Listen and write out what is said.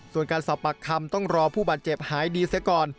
ส่วนการสอบปากคำต้องรอผู้บาดเจ็บหายดีเสียก่อน